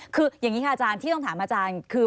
คืออย่างนี้ค่ะอาจารย์ที่ต้องถามอาจารย์คือ